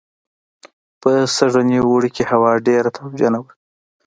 په سږني اوړي کې هوا ډېره تاوجنه وه